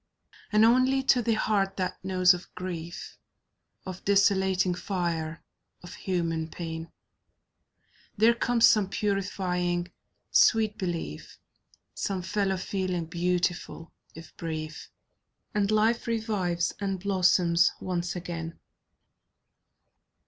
And only to the heart that knows of grief, Of desolating fire, of human pain, There comes some purifying sweet belief, Some fellow feeling beautiful, if brief. And life revives, and blossoms once again.